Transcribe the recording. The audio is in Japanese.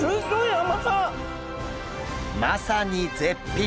まさに絶品！